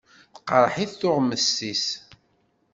Tqeṛṛeḥ-it tuɣmest-is.